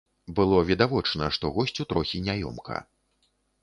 Было відавочна, што госцю трохі няёмка.